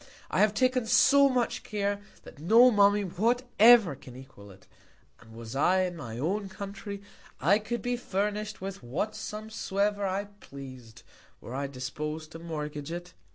I have taken so much Care, that no Mummy whatever can equal it: And was I in my own Country, I could be furnish'd with what Sum soever I pleas'd, were I dispos'd to mortgage it.